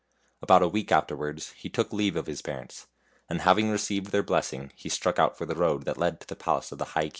About a week afterwards he took leave of his parents, and having received their blessing he struck out for the road that led to the palace of the High King of Erin.